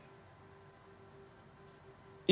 bagaimana ksp melihat kasusnya